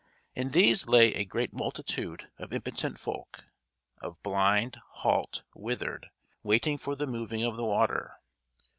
In these lay a great multitude of impotent folk, of blind, halt, withered, waiting for the moving of the water.